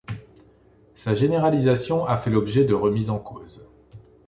Sa généralisation a fait l'objet de remises en cause.